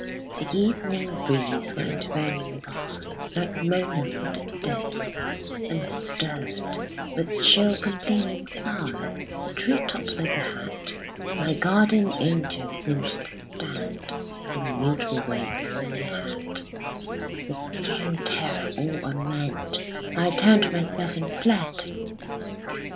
The evening breeze went moaning by, Like mourner for the dead, And stirred, with shrill complaining sigh, The tree tops overhead: My guardian angel seemed to stand And mutely wave a warning hand With sudden terror all unmanned, I turned myself and fled!